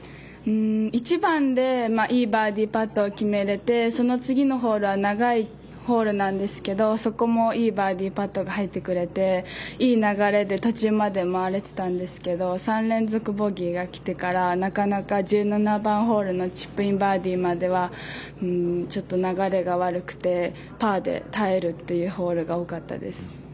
１番でいいバーディーパットを決めれてその次のホールは長いホールなんですけどそこも、いいバーディーパットが入ってくれていい流れで途中まで回れてたんですけど３連続ボギーがきてから１７番ホールのチップインバーディーまではちょっと流れが悪くてパーで耐えるっていうホールが多かったです。